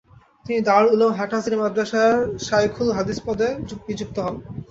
তিনি দারুল উলুম হাটহাজারী মাদ্রাসার শায়খুল হাদিস পদে নিযুক্ত হন।